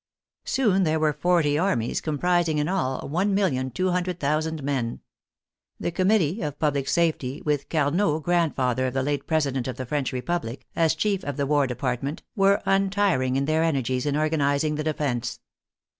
Soon there were forty armies, comprising in all 1,200,000 men. The Committee of Pub lic Safety, with Carnot (grandfather of the late Pres ident of the French Republic) as chief of the War De partment, were untiring in their energies in organizing the defence.